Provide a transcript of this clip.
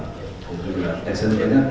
itu sudah eksentrinya